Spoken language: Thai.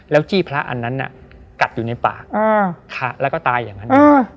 จี้พระอันนั้นกัดอยู่ในปากแล้วก็ตายอย่างนั้น